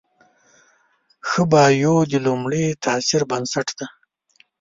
ښه بایو د لومړي تاثر بنسټ دی.